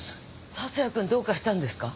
達也君どうかしたんですか？